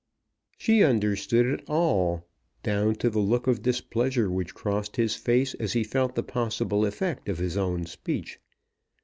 She understood it all, down to the look of displeasure which crossed his face as he felt the possible effect of his own speech.